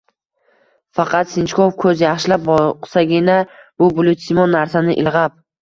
Faqat sinchkov ko‘z yaxshilab boqsagina bu bulutsimon narsani ilg‘ab